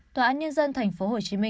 trước đó sự sơ thẩm